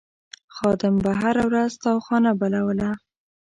خادم به هره ورځ تاوخانه بلوله.